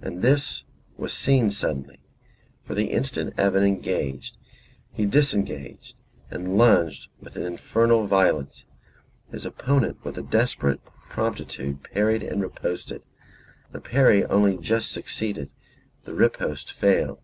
And this was seen suddenly; for the instant Evan engaged he disengaged and lunged with an infernal violence. His opponent with a desperate promptitude parried and riposted; the parry only just succeeded, the riposte failed.